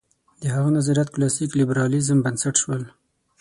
د هغه نظریات کلاسیک لېبرالېزم بنسټ شول.